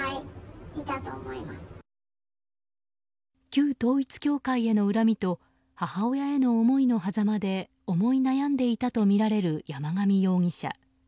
旧統一教会への恨みと母親への思いのはざまで思い悩んでいたとみられる山上容疑者。